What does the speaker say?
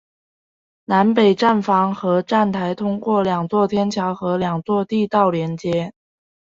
南北站房和站场通过两座天桥和两座地道连接。